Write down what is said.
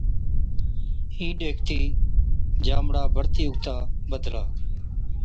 اِين ڏيکتِي ڄامڙا بڙتِي اُگتا بڌلا،